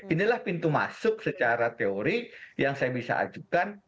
inilah pintu masuk secara teori yang saya bisa ajukan